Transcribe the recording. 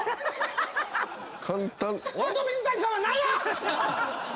簡単。